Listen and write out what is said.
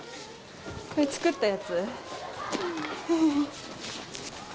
これ作ったやつ？